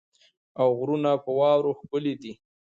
او غرونه په واوره ښکلې دي.